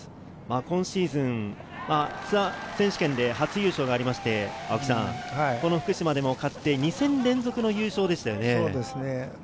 今シーズン、ツアー選手権で初優勝がありまして、福島でも勝って２戦連続の優勝でしたね。